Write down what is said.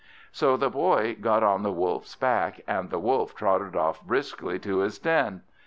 So the Boy got on the Wolf's back, and the Wolf trotted off briskly to his den.